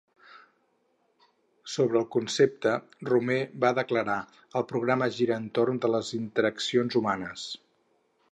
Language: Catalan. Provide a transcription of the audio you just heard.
Sobre el concepte, Romer va declarar "El programa gira entorn de les interaccions humanes".